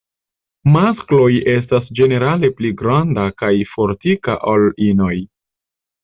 Maskloj estas ĝenerale pli granda kaj fortika ol inoj.